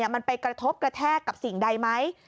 มันไปกระทบกระแทกกับสิ่งใดไหม